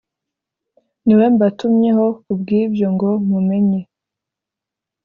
Ni we mbatumyeho ku bw ibyo ngo mumenye